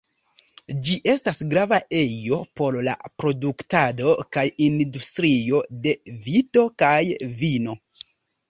Ĝi estas grava ejo por la produktado kaj industrio de vito kaj vino.